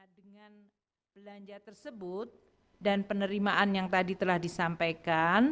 dengan belanja tersebut dan penerimaan yang tadi telah disampaikan